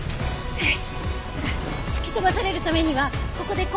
はい。